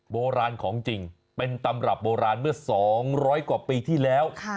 โบราณของจริงเป็นตำรับโบราณเมื่อ๒๐๐กว่าปีที่แล้ว